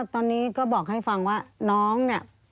ตอนนี้ก็บอกให้ฟังว่าน้องเนี่ย